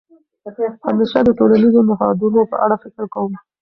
همېشه د ټولنیزو نهادونو په اړه فکر کوم.